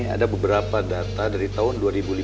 ada beberapa data dari tahun dua ribu lima belas